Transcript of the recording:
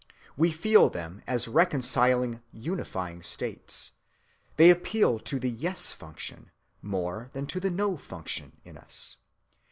We feel them as reconciling, unifying states. They appeal to the yes‐function more than to the no‐function in us.